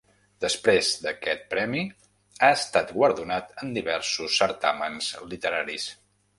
Després d'aquest premi, ha estat guardonat en diversos certàmens literaris.